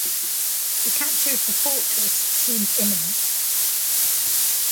The capture of the fortress seemed imminent.